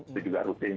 itu juga rutin